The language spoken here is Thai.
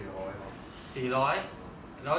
กลับมาเถอะครับ